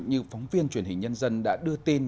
như phóng viên truyền hình nhân dân đã đưa tin